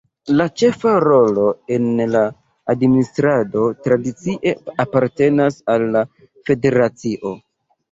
La ĉefa rolo en la administrado tradicie apartenas al la federacio.